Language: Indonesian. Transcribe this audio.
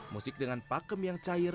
musik dengan pakem yang cair